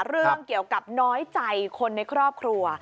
เรื่องเกี่ยวกับน้อยใจคนในครอบครัว